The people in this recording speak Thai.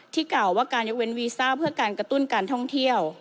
กล่าวว่าการยกเว้นวีซ่าเพื่อการกระตุ้นการท่องเที่ยว